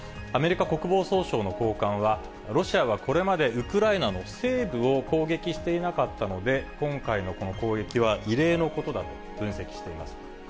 アメリカ国防総省の高官は、ロシアはこれまでウクライナの西部を攻撃していなかったので、今回のこの攻撃は異例のことだと分析しています。